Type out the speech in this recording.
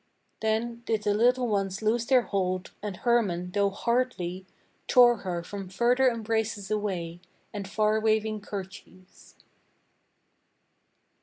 Then did the little ones loose their hold, and Hermann, though hardly, Tore her from further embraces away, and far waving kerchiefs.